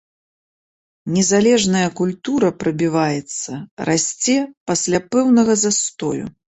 Незалежная культура прабіваецца, расце пасля пэўнага застою.